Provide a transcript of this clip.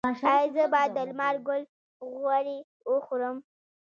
ایا زه باید د لمر ګل غوړي وخورم؟